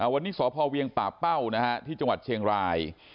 วันนี้สพเวียงป่าเป้าที่จังหวัดเชียงราย